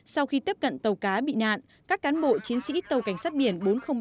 sau khi tiếp cận tàu cá bị nạn các cán bộ chiến sĩ tàu cảnh sát biển bốn nghìn ba mươi tám